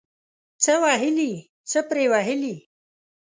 څه وهلي ، څه پري وهلي.